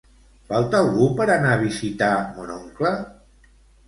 Falta algú per anar a visitar mon oncle?